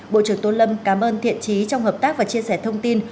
bộ trưởng tô lâm cảm ơn thiện trí trong hợp tác và chia sẻ thông tin